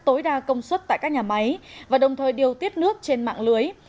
tối đa công suất tại các nhà máy và đồng thời điều tiết nước trên mạng lưới